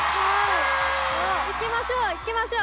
行きましょう行きましょう！